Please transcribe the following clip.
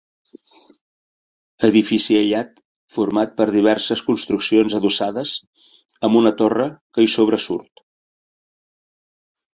Edifici aïllat format per diverses construccions adossades, amb una torre que hi sobresurt.